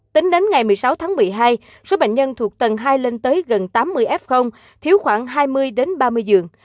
tính đến ngày một mươi sáu tháng một mươi hai số bệnh nhân thuộc tầng hai lên tới gần tám mươi f thiếu khoảng hai mươi ba mươi giường